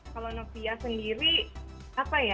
kalau novia sendiri apa ya